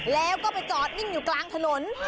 แล้วก็ไปจอดนิ่งอยู่กลางถนน